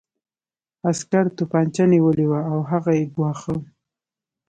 عسکر توپانچه نیولې وه او هغه یې ګواښه